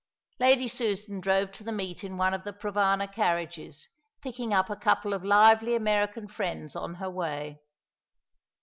Lady Susan drove to the meet in one of the Provana carriages, picking up a couple of lively American friends on her way.